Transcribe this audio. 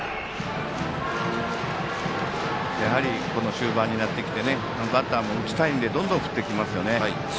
終盤になってきてバッターも打ちたいのでどんどん振ってきますよね。